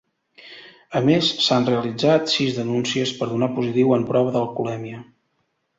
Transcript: A més, s’han realitzat sis denúncies per donar positiu en prova d’alcoholèmia.